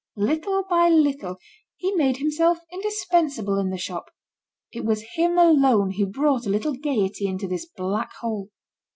Little by little he made himself indispensable in the shop; it was him alone who brought a little gaiety into this black hole.